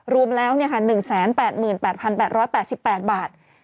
รวมแล้วเนี่ยค่ะ๑๘๘๘๘๘บาท